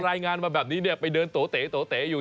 รายงานมาแบบนี้ไปเดินตัวเตะอยู่